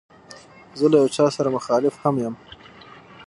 که زه له یو چا سره مخالف هم یم.